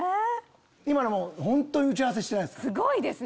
今のも打ち合わせしてないです。